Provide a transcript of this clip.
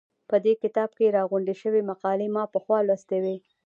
په دې کتاب کې راغونډې شوې مقالې ما پخوا لوستې وې.